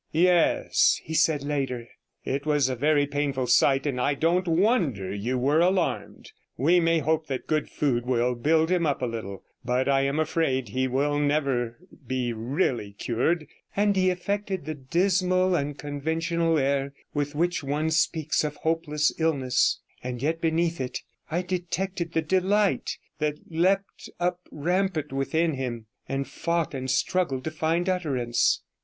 'Yes,' he said later, 'it was a very painful sight, and I don't wonder you were alarmed. We may hope that good food will build him up a little, but I am afraid he will never be really cured,' and he affected the dismal and 62 conventional air with which one speaks of hopeless illness; and yet beneath it I detected the delight that leapt up rampant within him, and fought and struggled to find utterance.